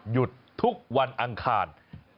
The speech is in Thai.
หยุดทุกวันอังคาร